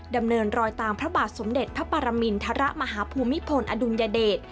ดำเนินรอยตามพระบาทสมเด็จพระปรมินทรมาฮภูมิพลอดุลยเดช